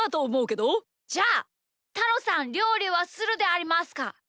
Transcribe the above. じゃあたろさんりょうりはするでありますか？